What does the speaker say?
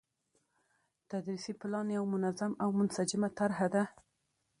تدريسي پلان يو منظم او منسجمه طرحه ده،